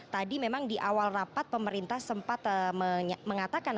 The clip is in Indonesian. tadi memang di awal rapat pemerintah sempat mengatakan